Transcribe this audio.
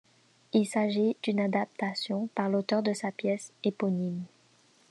Il s'agit d'une adaptation par l'auteur de sa pièce éponyme.